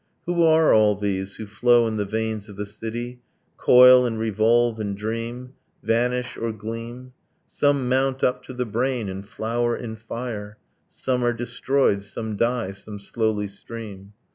Who are all these, who flow in the veins of the city, Coil and revolve and dream, Vanish or gleam? Some mount up to the brain and flower in fire. Some are destroyed; some die; some slowly stream.